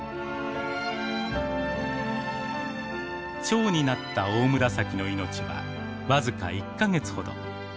チョウになったオオムラサキの命は僅か１か月ほど。